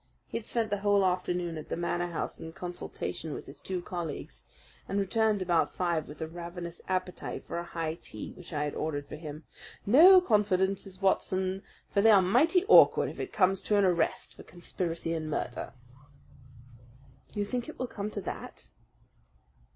He had spent the whole afternoon at the Manor House in consultation with his two colleagues, and returned about five with a ravenous appetite for a high tea which I had ordered for him. "No confidences, Watson; for they are mighty awkward if it comes to an arrest for conspiracy and murder." "You think it will come to that?"